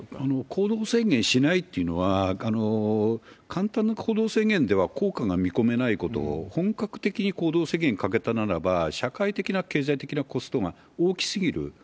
行動制限しないっていうのは、簡単な行動制限では効果が見込めないこと、本格的に行動制限かけたならば、社会的な経済的なコストが大きすぎる。